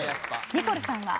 ニコルさんは？